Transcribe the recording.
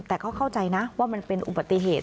แต่ก็เข้าใจนะว่ามันเป็นอุบัติเหตุ